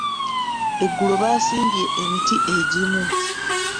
Eggulo baasimbye emiti egimu.